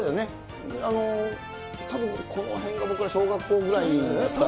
たぶんこのへんが僕ら小学校ぐらい。